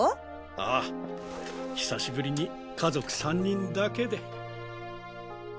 ああ久しぶりに家族３人だけで。